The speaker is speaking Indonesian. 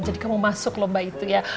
jadi kamu masuk lomba itu ya